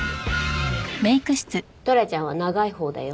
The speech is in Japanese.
トラちゃんは長いほうだよ。